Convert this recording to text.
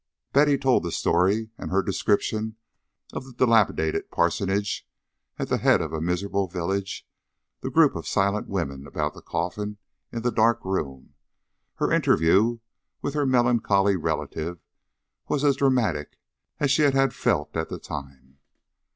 Betty told the story; and her description of the dilapidated parsonage at the head of the miserable village, the group of silent women about the coffin in the dark room, and her interview with her melancholy relative was as dramatic as she had felt at the time.